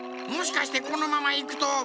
もしかしてこのままいくと。